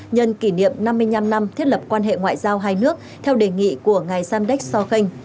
nhân kỷ niệm năm mươi năm năm thiết lập quan hệ ngoại giao hai nước theo đề nghị của ngày samdech so khanh